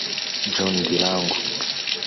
John Ndirangu